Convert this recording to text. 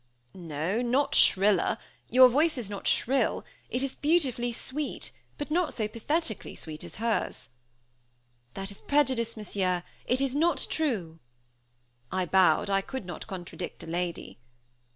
"No, not shriller: your voice is not shrill, it is beautifully sweet; but not so pathetically sweet as hers." "That is prejudice, Monsieur; it is not true." I bowed; I could not contradict a lady.